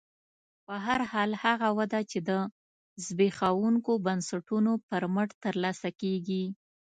په هر حال هغه وده چې د زبېښونکو بنسټونو پر مټ ترلاسه کېږي